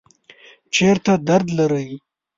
چیرته درد لرئ؟